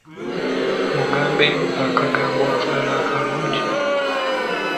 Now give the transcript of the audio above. Mugambeyo akagambo akalala akalungi.